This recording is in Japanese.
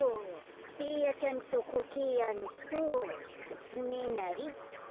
ベーヤちゃんとコケヤンとつねなりっと。